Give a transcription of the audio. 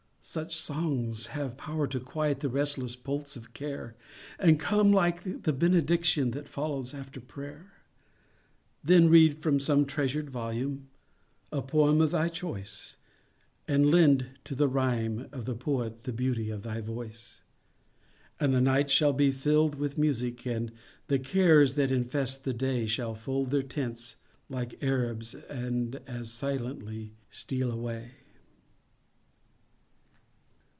Such songs have power to quiet The restless pulse of care, And come like the benediction That follows after prayer. Then read from the treasured volume The poem of thy choice, And lend to the rhyme of the poet The beauty of thy voice. And the night shall be filled with music, And the cares that infest the day Shall fold their tents like the Arabs, And as silently steal away.